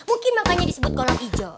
mungkin makanya disebut kolor ijo